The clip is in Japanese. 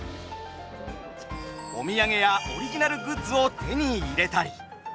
お土産やオリジナルグッズを手に入れたり。